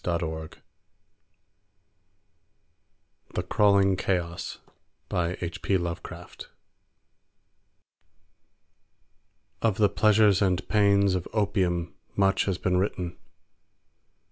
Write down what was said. Jackson The Crawling Chaos Of the pleasures and pains of opium much has been written.